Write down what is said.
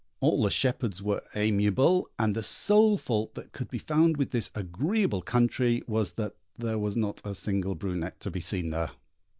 All the shepherds were amiable, and the sole fault that could be found with this agreeable country was that there was not a single brunette to be seen there.